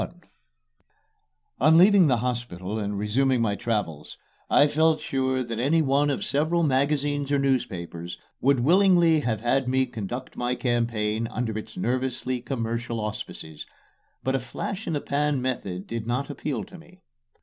XXXI On leaving the hospital and resuming my travels, I felt sure that any one of several magazines or newspapers would willingly have had me conduct my campaign under its nervously commercial auspices; but a flash in the pan method did not appeal to me.